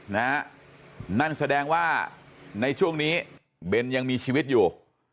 นั่นแสดงว่าในช่วงนี้เบนยังมีชีวิตอยู่